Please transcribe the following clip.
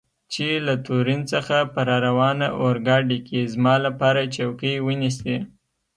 چې له تورین څخه په راروانه اورګاډي کې زما لپاره چوکۍ ونیسي.